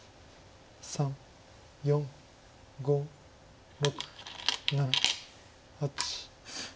３４５６７８。